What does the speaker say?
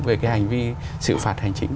về cái hành vi sự phạt hành chính